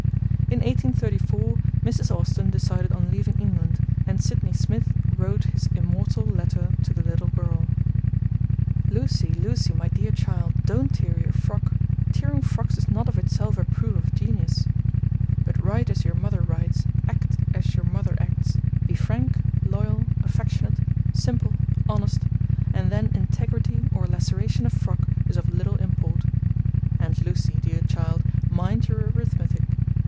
In 1834 Mrs. Austin decided on leaving England, and Sydney Smith wrote his immortal letter to the little girl: Lucie, Lucie, my dear child, don't tear your frock: tearing frocks is not of itself a proof of genius. But write as your mother writes, act as your mother acts: be frank, loyal, affectionate, simple, honest, and then integrity or laceration of frock is of little import. And Lucie, dear child, mind your arithmetic.